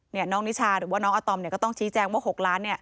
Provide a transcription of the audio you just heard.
น้องนิชาหรือว่าน้องอาตอมเนี่ยก็ต้องชี้แจงว่า๖ล้านเนี่ย